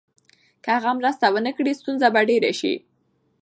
که هغه مرسته ونکړي، ستونزه به ډېره شي.